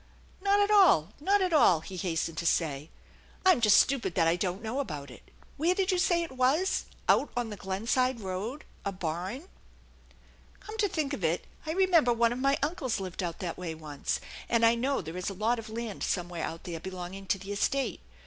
" Not at all, not at all," he hastened to say. " I'm just stupid that I don't know about it. Where did you say it was ? Out on the Glenside Road ? A barn ? Come to think of it, I remember one of my uncles lived out that way once, and I know there is a lot of land somewhere out there belonging to the estate.